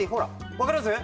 わかります？